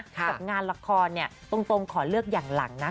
กับงานละครเนี่ยตรงขอเลือกอย่างหลังนะ